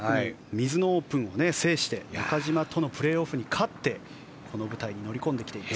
ミズノオープンを制して中島とのプレーオフに勝ってこの舞台に乗り込んできています。